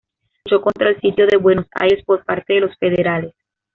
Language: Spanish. Luchó contra el sitio de Buenos Aires por parte de los federales.